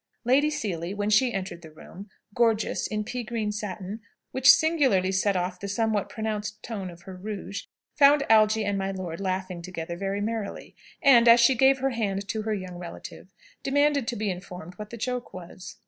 Lady Seely, when she entered the room, gorgeous in pea green satin, which singularly set off the somewhat pronounced tone of her rouge, found Algy and my lord laughing together very merrily, and, as she gave her hand to her young relative, demanded to be informed what the joke was.